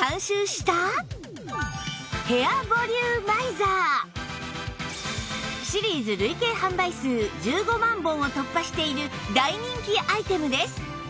さらに誰でもシリーズ累計販売数１５万本を突破している大人気アイテムです